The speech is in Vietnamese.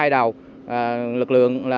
hai đầu lực lượng